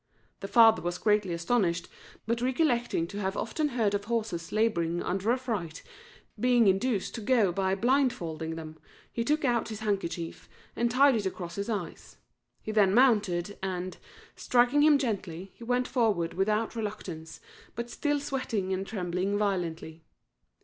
The father was greatly astonished, but recollecting to have often heard of horses labouring under affright being induced to go by blindfolding them, he took out his handkerchief and tied it across his eyes. He then mounted, and, striking him gently, he went forward without reluctance, but still sweating and trembling violently.